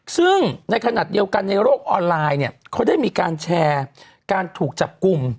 ซึ่งในขณะเดียวกันในโลกออนไลน์เนี่ยเขาได้มีการแชร์การถูกจับกลุ่ม